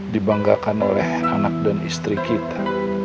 dibanggakan oleh anak dan istri kita